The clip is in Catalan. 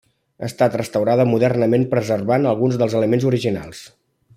Ha estat restaurada modernament preservant alguns dels elements originals.